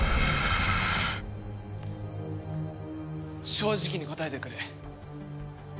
正直に答えてくれ。